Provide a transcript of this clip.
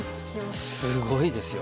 すごいですよ。